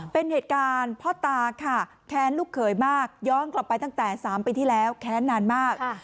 เป็นเหตุการณ์พ่อตาค่ะแค้นลูกเขยมากย้อนกลับไปตั้งแต่๓ปีที่แล้วแค้นนานมาก